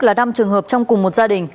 là năm trường hợp trong cùng một gia đình